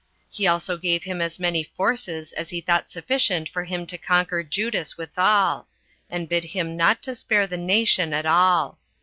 He also gave him as many forces as he thought sufficient for him to conquer Judas withal, and bid him not to spare the nation at all.